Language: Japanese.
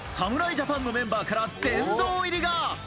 ジャパンのメンバーから殿堂入りが。